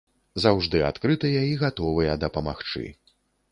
Заўжды адкрытыя і гатовыя дапамагчы.